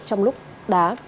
trong lúc đá